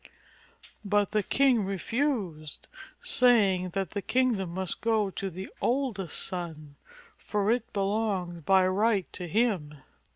But the king refused, saying that the kingdom must go to the oldest son, for it belonged by right to him.